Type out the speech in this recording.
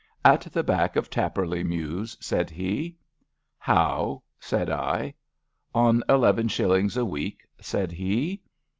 At the back of Tarporley Mews/' said he. '' How? " said I. On eleven shillings a week," said he.